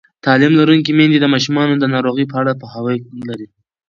تعلیم لرونکې میندې د ماشومانو د ناروغۍ په اړه پوهاوی لري.